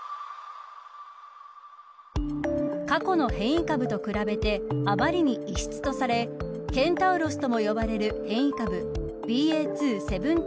過去の変異株と比べてあまりに異質にされケンタウロスとも呼ばれる変異株ＢＡ．２．７５。